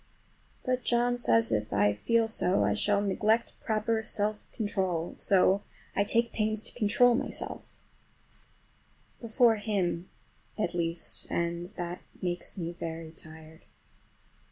But John says if I feel so I shall neglect proper self control; so I take pains to control myself,—before him, at least,—and that makes me very tired.